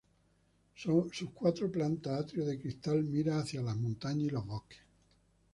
Sus cuatro plantas atrio de cristal, mira hacia las montañas y bosques.